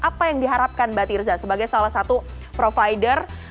apa yang diharapkan mbak tirza sebagai salah satu provider